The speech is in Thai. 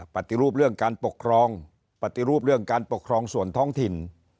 ปฏิรูปเรื่องการปกครองปฏิรูปเรื่องการปกครองส่วนท้องถิ่น